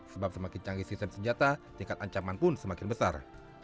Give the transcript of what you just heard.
sebab semakin canggih sistem senjata tingkat ancaman pun semakin besar